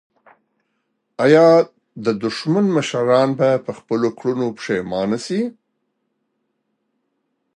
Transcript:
آیا د دښمن مشران به په خپلو کړنو پښېمانه شي؟